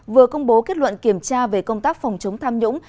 vừa công bố kết luận kiểm tra về công tác phòng chống tham nhũng